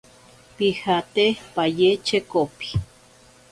Pijate paye chekopi.